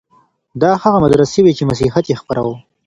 دا هغه مدرسې وې چي مسيحيت يې خپراوه.